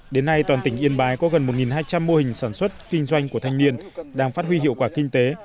đến nay toàn tỉnh yên bái có gần một hai trăm linh mô hình sản xuất kinh doanh của thanh niên đang phát huy hiệu quả kinh tế